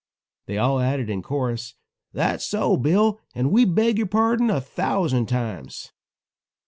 They all added in chorus: "That's so, Bill, and we beg your pardon a thousand times."